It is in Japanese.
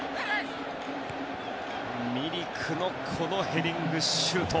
ミリクのヘディングシュート。